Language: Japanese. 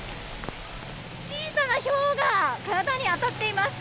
小さなひょうが体に当たっています。